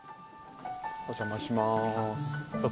お邪魔します。